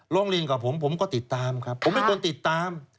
ลิงกับผมผมก็ติดตามครับผมเป็นคนติดตาม